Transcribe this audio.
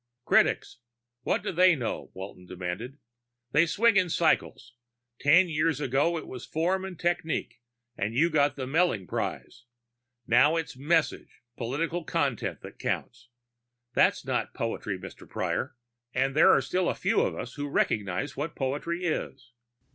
"Critics! What do they know?" Walton demanded. "They swing in cycles. Ten years ago it was form and technique, and you got the Melling Prize. Now it's message, political content that counts. That's not poetry, Mr. Prior and there are still a few of us who recognize what poetry is.